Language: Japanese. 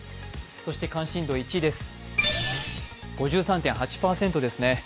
そして関心度１位です。